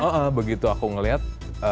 oh begitu aku ngeliat